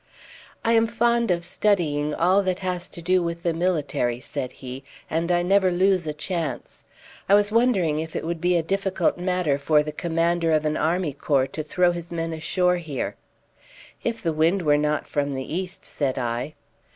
"I am fond of studying all that has to do with the military," said he, "and I never lose a chance. I was wondering if it would be a difficult matter for the commander of an army corps to throw his men ashore here." "If the wind were not from the east," said I.